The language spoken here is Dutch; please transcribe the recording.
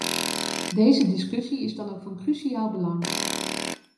Deze discussie is dan ook van cruciaal belang.